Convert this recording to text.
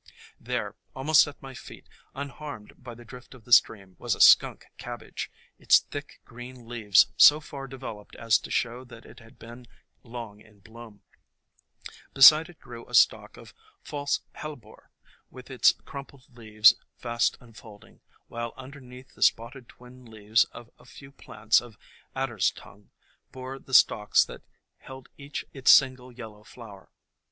There, almost at my feet, unharmed by the drift of the stream, was a Skunk Cabbage, its thick, green leaves so far developed as to show that it had been long in bloom. Beside it grew a stalk of False Hellebore, with its crumpled leaves fast unfolding, while underneath the spotted twin leaves of a few plants of Adder's Tongue bore the stalks that held each its single yellow flower.